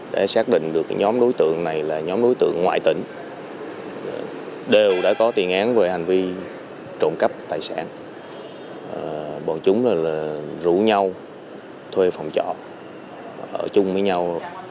để xác định được nhóm đối tượng này là nhóm đối tượng ngoại tỉnh đều đã có tiền án về hành vi trộm cắp tài sản bọn chúng là rủ nhau thuê phòng trọ ở chung với nhau